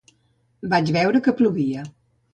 Vaig veure que plovia.